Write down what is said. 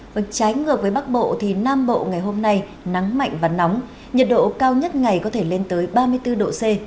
vực trái ngược với bắc bộ thì nam bộ ngày hôm nay nắng mạnh và nóng nhiệt độ cao nhất ngày có thể lên tới ba mươi bốn độ c